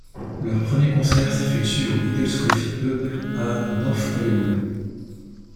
Leur premier concert s'effectue auu Eagle's Coffee Pub à North Hollywood.